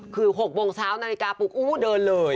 คือ๖โมงเช้านาฬิกาปลุกอู้เดินเลย